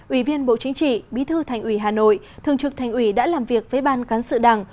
ủy viên bộ chính trị bí thư thành ủy hà nội thường trực thành ủy đã làm việc với ban cán sự đảng